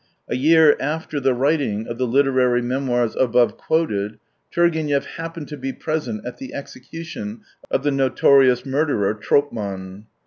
... A year after the writing of the literary memoirs above quoted, Turgenev happened to be present at the execution of the notorious murderer, Tropman.